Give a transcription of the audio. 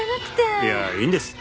いやいいんです。